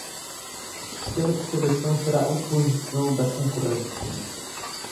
O sistema de seleção será a oposição da concorrência.